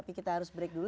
jadi kita harus break dulu